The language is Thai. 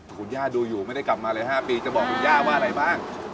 คุณย่าดูอยู่ไม่ได้กลับมาเลย๕ปีจะบอกคุณย่าว่าอะไรบ้าง